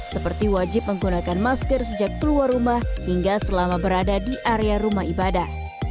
seperti wajib menggunakan masker sejak keluar rumah hingga selama berada di area rumah ibadah